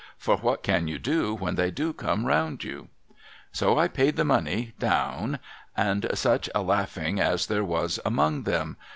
For what can you do when they do come round you ? So I paid the money — down — and such a laughing as there was among 'em